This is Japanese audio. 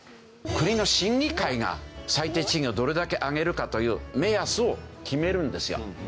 国の審議会が最低賃金をどれだけ上げるかという目安を決めるんですよ。